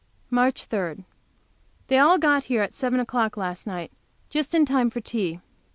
MARCH 3. They all got here at 7 o'clock last night, just in time for tea.